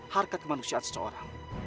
harkat manusia seorang